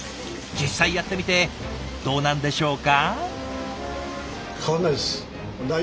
実際やってみてどうなんでしょうか？